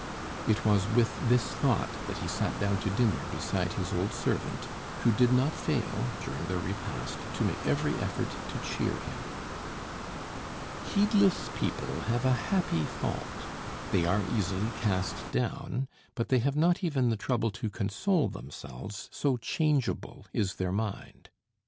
It was with this thought that he sat down to dinner beside his old servant, who did not fail, during the repast, to make every effort to cheer him. Heedless people have a happy fault. They are easily cast down, but they have not even the trouble to console themselves, so changeable is their mind.